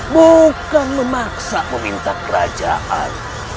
bukan memaksa meminta kerajaan